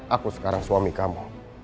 aku sekarang suami kamu